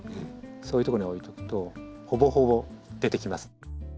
そういう所に置いておくとほぼほぼ出てきます。